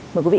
mời quý vị